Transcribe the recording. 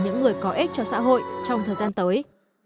những người có ích cho xã hội trong thời gian tới